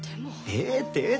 ええってええって。